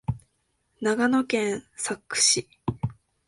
長野県佐久市